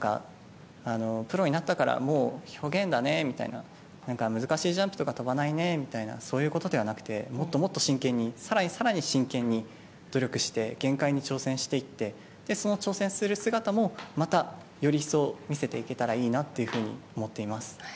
プロになったからもう表現だねみたいな難しいジャンプとか跳ばないねとかそういうことではなくてもっともっと真剣に更に更に真剣に努力して、限界に挑戦していってその挑戦する姿もまたより一層、見せていければいいなと思ってます。